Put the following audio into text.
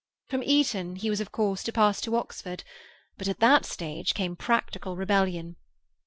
From Eton he was of course to pass to Oxford, but at that stage came practical rebellion.